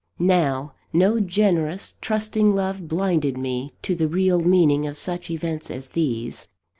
Now, no generous, trusting love blinded me to the real meaning of such events as these.